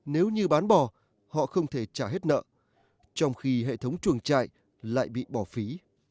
nếu như bán bò họ không thể trả hết nợ trong khi hệ thống chuồng trại lại bị bỏ phí